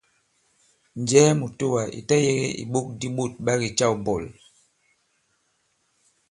Njɛ̀ɛ ì mùtoà ì ta-yēgē ìɓok di ɓôt ɓa kè-câw bɔ̂l.